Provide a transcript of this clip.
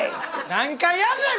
何回やんねん！